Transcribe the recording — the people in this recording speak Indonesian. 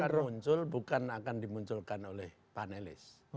kalau itu akan muncul bukan akan dimunculkan oleh panelis